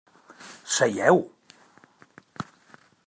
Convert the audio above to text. Seieu.